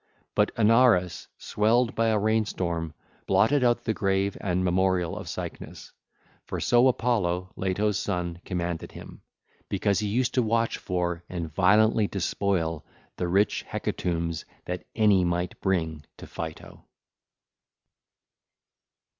But Anaurus, swelled by a rain storm, blotted out the grave and memorial of Cycnus; for so Apollo, Leto's son, commanded him, because he used to watch for and violently despoil the rich hecatombs that any might bring to Pytho.